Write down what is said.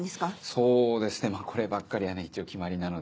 そうですねこればっかりは一応決まりなので。